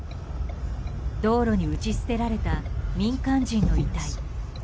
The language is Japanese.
道路に打ち捨てられた民間人の遺体。